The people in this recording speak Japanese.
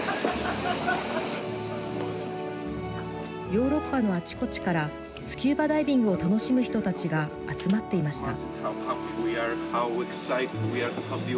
ヨーロッパのあちこちからスキューバダイビングを楽しむ人たちが集まっていました。